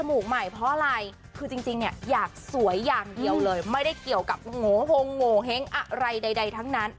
มันมีอย่างเดียวเลยไม่ได้เกี่ยวกับโงหงโงเห้งอะไรใดทั้งนั้น